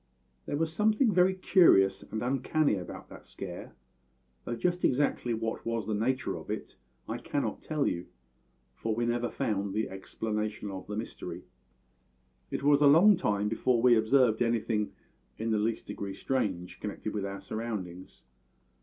"There was something very curious and uncanny about that scare, though just exactly what was the nature of it I cannot tell you, for we never found the explanation of the mystery. It was a long time before we observed anything in the least degree strange connected with our surroundings.